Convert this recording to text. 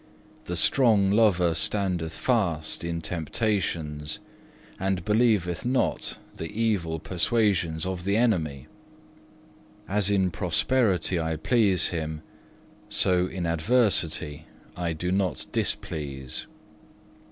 The strong lover standeth fast in temptations, and believeth not the evil persuasions of the enemy. As in prosperity I please him, so in adversity I do not displease.